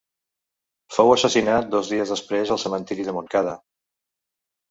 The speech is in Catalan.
Fou assassinat dos dies després al cementiri de Montcada.